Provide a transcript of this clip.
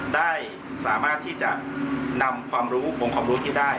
ได้สามารถที่จะนำความรู้องค์ความรู้ที่ได้